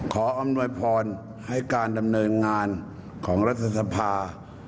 อำนวยพรให้การดำเนินงานของรัฐสภา